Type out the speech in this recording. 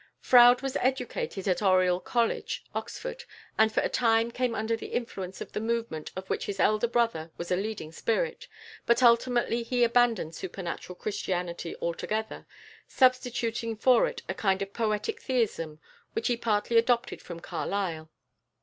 Froude was educated at Oriel College, Oxford, and for a time came under the influence of the movement of which his elder brother was a leading spirit, but ultimately he abandoned supernatural Christianity altogether, substituting for it a kind of poetic Theism which he partly adopted from Carlyle.